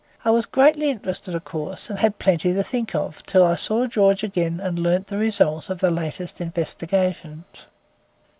I was greatly interested, of course, and had plenty to think of till I saw George again and learned the result of the latest investigations.